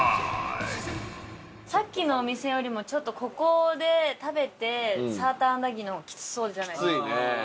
さっきのお店よりもちょっとここで食べてサーターアンダギーの方がきつそうじゃないですか？